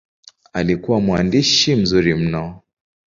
Alikuwa mwandishi mzuri mno.